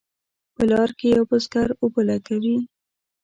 په لار کې یو بزګر اوبه لګوي.